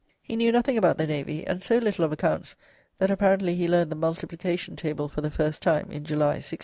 He knew nothing about the navy, and so little of accounts that apparently he learned the multiplication table for the first time in July, 1661.